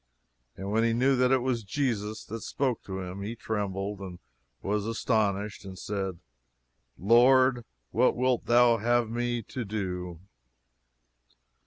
"And when he knew that it was Jesus that spoke to him he trembled, and was astonished, and said, 'Lord, what wilt thou have me to do?'"